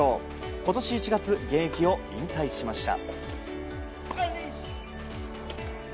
今年１月、現役を引退しました。